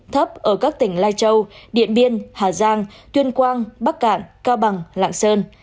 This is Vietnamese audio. thấp ở các tỉnh lai châu điện biên hà giang tuyên quang bắc cạn cao bằng lạng sơn